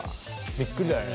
びっくりだよね。